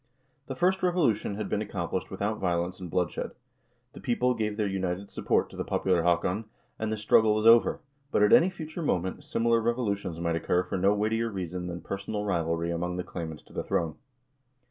The first revolution had been ac complished without violence and bloodshed ; the people gave their united support to the popular Haakon, and the struggle was over, but at any future moment, similar revolutions might occur for no weightier reason than personal rivalry among the claimants to the throne.